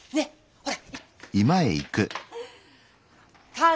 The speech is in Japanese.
ほら。